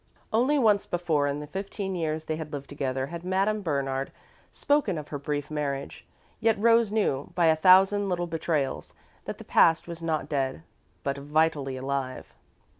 Only once before, in the fifteen years they had lived together, had Madame Bernard spoken of her brief marriage, yet Rose knew, by a thousand little betrayals, that the past was not dead, but vitally alive.